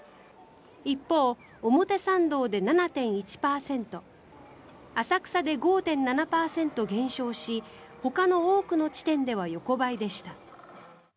一方、表参道で７．１％浅草で５．７％減少しほかの多くの地点では横ばいでした。